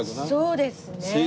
そうですね。